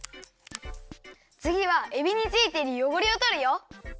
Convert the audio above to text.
つぎはえびについているよごれをとるよ。